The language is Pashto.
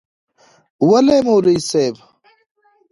وله یی مولوی صیب.